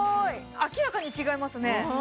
明らかに違いますね